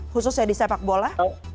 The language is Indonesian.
khususnya di sepak bola